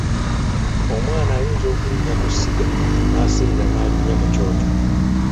Omwana ayinza okulinnya ku ssiga n'aseerera n'alinnya mu Kyoto.